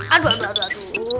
aduh aduh aduh